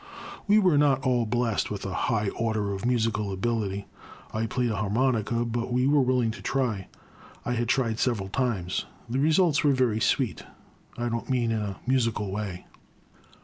We were not all blessed with a high order of musical ability, — I played a harmonica, — but we were willing to try. I had tried several times. The results were very sweet, — I don't mean in a musical way.